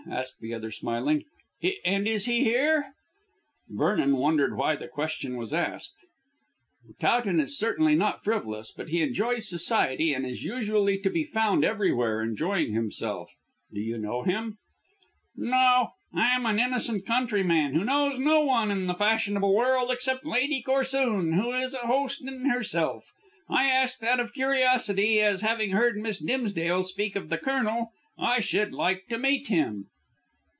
asked the other smiling; "and is he here?" Vernon wondered why the question was asked. "Really, I can't say. Towton is certainly not frivolous, but he enjoys society and is usually to be found everywhere, enjoying himself. Do you know him?" "No. I am an innocent countryman, who knows no one in the fashionable world except Lady Corsoon, who is a host in herself. I asked out of curiosity, as, having heard Miss Dimsdale speak of the Colonel, I should like to meet him."